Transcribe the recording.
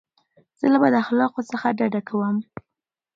زه له بد اخلاقو څخه ډډه کوم.